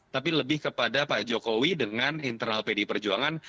tapi lebih kepada pak jokowi dengan internal pdi perjuangan